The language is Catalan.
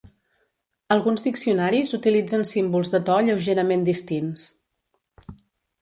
Alguns diccionaris utilitzen símbols de to lleugerament distints.